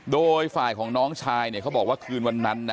โดยฝ่ายของน้องชายเนี่ยเขาบอกว่าคืนวันนั้นนะ